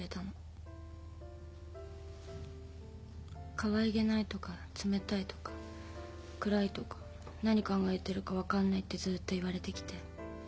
かわいげないとか冷たいとか暗いとか何考えてるか分かんないってずっと言われてきて。